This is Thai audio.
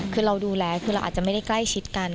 คือเราดูแลคือเราอาจจะไม่ได้ใกล้ชิดกัน